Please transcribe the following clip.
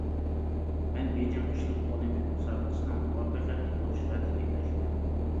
مەن بېيجىڭ قىشلىق ئولىمپىك مۇسابىقىسىنىڭ مۇۋەپپەقىيەتلىك بولۇشىغا تىلەكداشمەن.